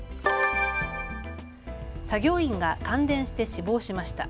作業員が感電して死亡しました。